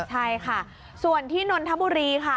ใช่ค่ะส่วนที่นนทบุรีค่ะ